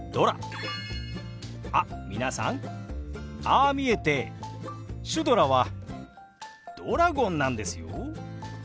あっ皆さんああ見えてシュドラはドラゴンなんですよ。